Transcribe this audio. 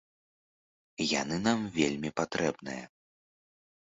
Яны нам вельмі патрэбныя.